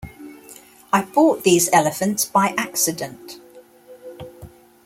I bought these elephants by accident.